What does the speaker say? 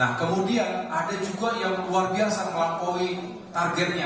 nah kemudian ada juga yang luar biasa melampaui targetnya